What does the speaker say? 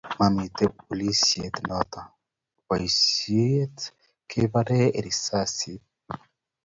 mamito polisie noto boisie kebiren risasit